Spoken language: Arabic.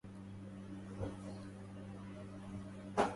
أيا فضلا غدا فضلا